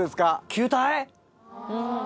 球体。